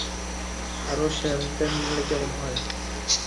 আরো শ্যাম্পেন নিলে কেমন হয়?